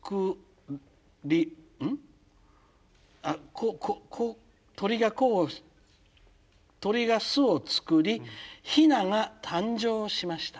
「こここ鳥がこう鳥が巣を作りヒナが誕生しました」。